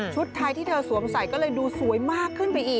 ชุดไทยที่เธอสวมใส่ก็คลั่งดูสวยมากขึ้น